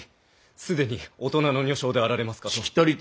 既に大人の女性であられますかと。